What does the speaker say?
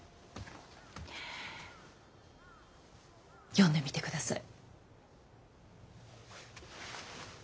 読んでみて下さい。